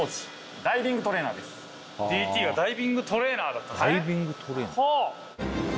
「Ｄ／Ｔ」はダイビングトレーナーだったんだねほぉ！